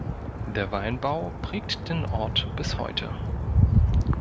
Der Weinbau prägt den Ort bis heute.